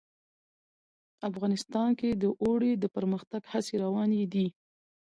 افغانستان کې د اوړي د پرمختګ هڅې روانې دي.